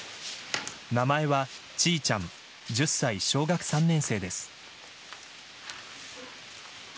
名前はチーチャン１０歳、小学３年生です。